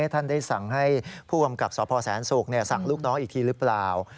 ท่านได้สั่งให้ผู้กำกับสพแสนศุกร์สั่งลูกน้องอีกทีหรือเปล่า